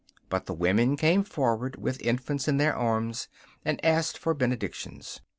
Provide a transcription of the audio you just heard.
But the women came forward, with infants in their arms, and asked for benedictions.